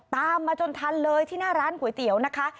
ตามมาจนทันเลยที่หน้าร้านก๋วยเตี๋ยวนะคะ